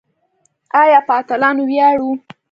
آیا په اتلانو ویاړو؟